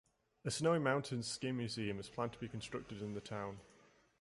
A Snowy Mountains Scheme Museum is planned to be constructed in the town.